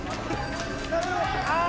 ああ！